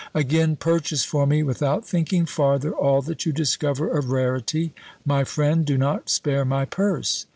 Again "Purchase for me, without thinking farther, all that you discover of rarity. My friend, do not spare my purse."